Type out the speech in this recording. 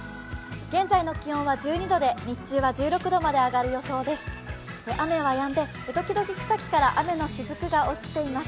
現在の気温は１２度日中は１６度まで上がります。